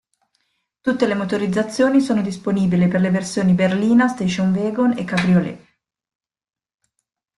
Tutte le motorizzazioni sono disponibili per le versioni berlina, station-wagon e cabriolet.